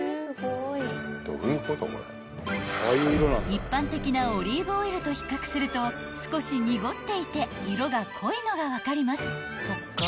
［一般的なオリーブオイルと比較すると少し濁っていて色が濃いのが分かります］